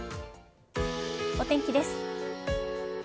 お天気です。